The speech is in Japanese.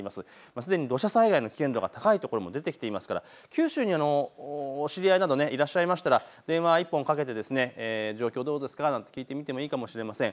すでに土砂災害の危険度が高い所も出てきていますから九州にお知り合いなどいらっしゃいましたら電話一本かけて状況どうですかなんて聞いてみてもいいかもしれません。